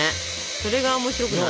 それが面白くない？